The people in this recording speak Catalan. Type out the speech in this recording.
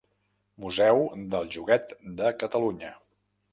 Museu del Joguet de Catalunya.